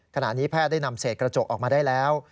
ขณะนี้แพทย์ได้นำเศษกระจกออกมาได้แล้ว